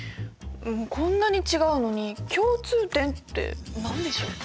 こんなに違うのに共通点って何でしょう？